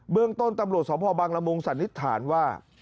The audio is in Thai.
เรื่องต้นตำรวจสพบังละมุงสันนิษฐานว่า